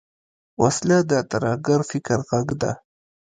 وسله د ترهګر فکر غږ ده